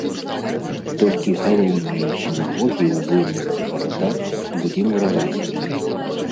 Толькі галоўныя сінагогі ў буйных гарадах былі мураванымі.